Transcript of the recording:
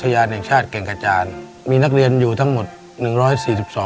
ในแคมเปญพิเศษเกมต่อชีวิตโรงเรียนของหนู